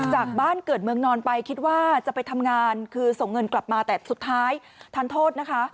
จากบ้านเกิดเมืองนอนไปคิดว่าจะไปทำงานคือส่งเงินกลับมาแต่สุดท้ายทันโทษนะคะ